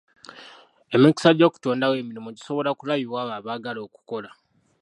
Emikisa gy'okutondawo emirimu gisobola kulabibwa abo abaagala okukola.